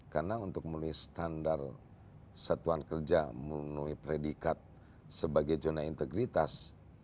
karena untuk menulis standar satuan kerja menulis predikat sebagai zona integritas